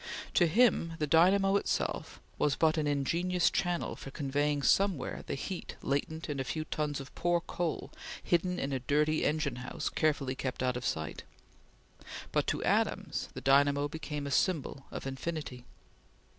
To him, the dynamo itself was but an ingenious channel for conveying somewhere the heat latent in a few tons of poor coal hidden in a dirty engine house carefully kept out of sight; but to Adams the dynamo became a symbol of infinity.